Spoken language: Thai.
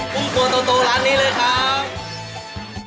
ภูมิกับโตร้านนี้เลยครับ